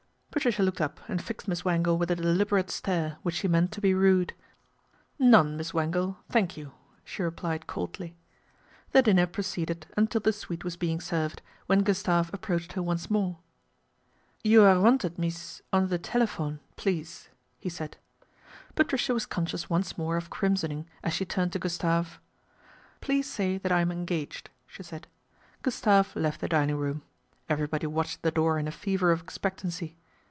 Patricia looked up and fixed Miss Wangle with a deliberate stare, which she meant to be rude. " None, Miss Wangle, thank you/' she replied coldly. The dinner proceeded until the sweet was being served, when Gustave approached her once more. ' You are wanted, mees, on the telephone, please," he said. Patricia was conscious once more of crimsoning as she turned to Gustave. " Please say that I'm engaged," she said. Gustave left the dining room. Everybody watched the door in a fever of expectancy.